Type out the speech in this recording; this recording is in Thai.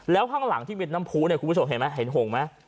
แล้วข้างหลังที่เป็นน้ำพูเนี่ยคุณผู้ชมเห็นไหมเห็นหงไหม